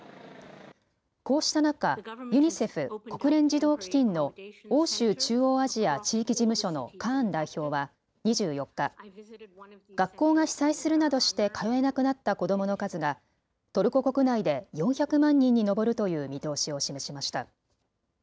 こうした中、ユニセフ・国連児童基金の欧州・中央アジア地域事務所のカーン代表は２４日、学校が被災するなどして通えなくなった子どもの数がトルコ国内で４００万人に上るという見通しを示しました。